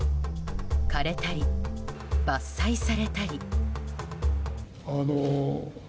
枯れたり、伐採されたり。